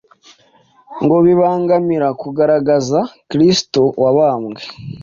ngo bibangamire kugaragaza Kristo wabambwe.